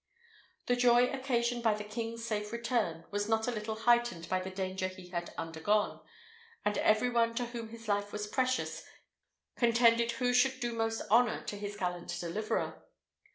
The joy occasioned by the king's safe return was not a little heightened by the danger he had undergone; and every one to whom his life was precious contended who should do most honour to his gallant deliverer.